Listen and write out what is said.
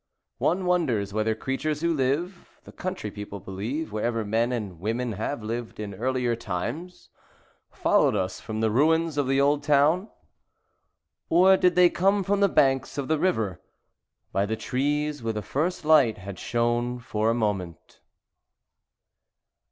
One wonders whether creatures who live, the country people believe, wherever men and women have lived in earlier times, followed us from the ruins of the old town ? or did they come from the banks of the river by the trees where the first light had shone for a moment